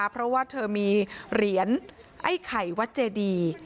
เพราะว่าเธอมีเหรียญไอ้ไข่วัดเจดี